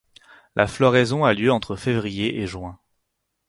La floraison a lieu entre février et juin.